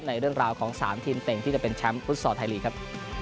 ในเรื่องราวของ๓ทีมเต่งที่จะเป็นแชมป์ฟุตซอลไทยลีกครับ